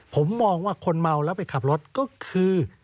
ผมมองว่าคนเมาแล้วไปขับรถก็คือ